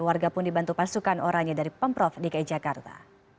warga pun dibantu pasukan orangnya dari pemprov dki jakarta